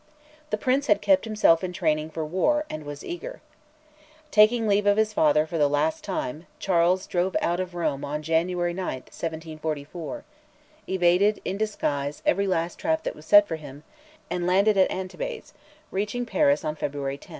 The Prince had kept himself in training for war and was eager. Taking leave of his father for the last time, Charles drove out of Rome on January 9, 1744; evaded, in disguise, every trap that was set for him, and landed at Antibes, reaching Paris on February 10.